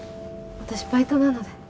私バイトなので。